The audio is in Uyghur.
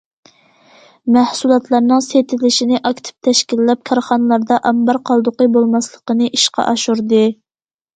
مەھسۇلاتلارنىڭ سېتىلىشىنى ئاكتىپ تەشكىللەپ، كارخانىلاردا ئامبار قالدۇقى بولماسلىقنى ئىشقا ئاشۇردى.